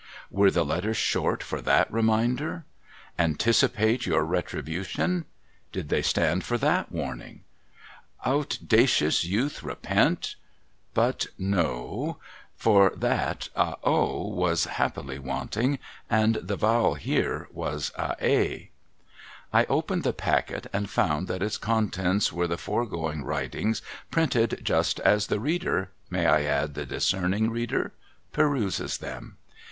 Were the letters short for ///a/ reminder? Anticipate Your Retribution. Did they stand for that warning ? Out dacious Youth Repent ? But no ; for that, a O was happily wanting, and the vowel here was a A. I opened the packet, and found that its contents were the fore going writings printed just as the reader (may I add the discerning reader?) peruses them.